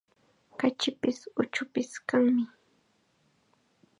Kachipis, uchupis kanmi.